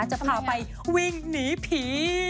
จะพาไปวิ่งหนีผี